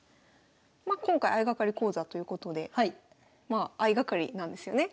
まあ今回相掛かり講座ということでまあ相掛かりなんですよね？